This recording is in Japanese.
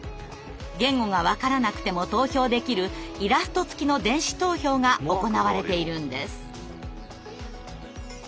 言語が分からなくても投票できるイラスト付きの電子投票が行われているんです。